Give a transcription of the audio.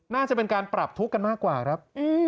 น่าจะเป็นการปรับทุกข์กันมากกว่าครับ